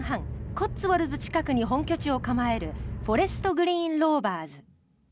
コッツウォルズ近くに本拠地を構えるフォレストグリーン・ローバーズ。